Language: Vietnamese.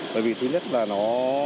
bởi vì thứ nhất là nó